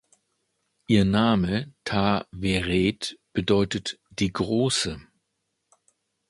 Ihr Name "Ta-weret" bedeutet „Die Große“.